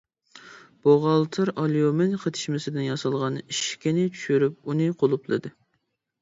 بوغالتىر ئاليۇمىن قېتىشمىسىدىن ياسالغان ئىشىكىنى چۈشۈرۈپ ئۇنى قۇلۇپلىدى.